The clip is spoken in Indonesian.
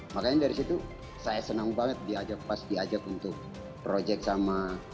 makanya dari situ saya senang banget diajak pas diajak untuk proyek sama